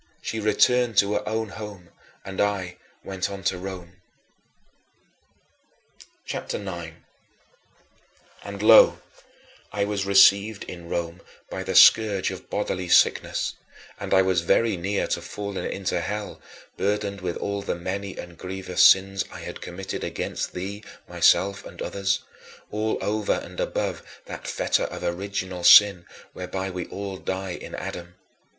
She returned to her own home, and I went on to Rome. CHAPTER IX 16. And lo, I was received in Rome by the scourge of bodily sickness; and I was very near to falling into hell, burdened with all the many and grievous sins I had committed against thee, myself, and others all over and above that fetter of original sin whereby we all die in Adam.